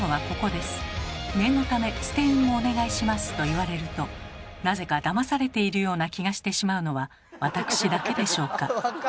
「念のため捨て印もお願いします」と言われるとなぜかだまされているような気がしてしまうのは私だけでしょうか？